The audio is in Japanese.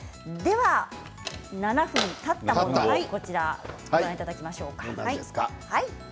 ７分たったこちらご覧いただきましょうか。